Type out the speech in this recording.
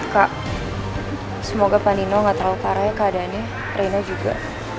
kak semoga pak nino gak terlalu parah ya keadaannya rena juga